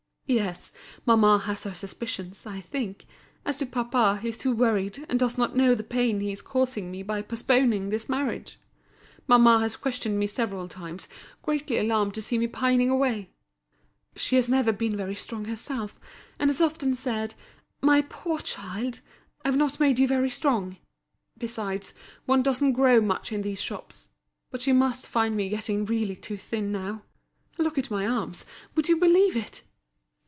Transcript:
"Yes, mamma has her suspicions, I think. As to papa, he is too worried, and does not know the pain he is causing me by postponing this marriage. Mamma has questioned me several times, greatly alarmed to see me pining away. She has never been very strong herself, and has often said: 'My poor child, I've not made you very strong.' Besides, one doesn't grow much in these shops. But she must find me getting really too thin now. Look at my arms; would you believe it?"